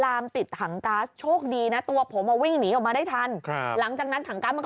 ลามติดถังก๊าซโชคดีนะตัวผมอ่ะวิ่งหนีออกมาได้ทันหลังจากนั้นถังก๊าซมันก็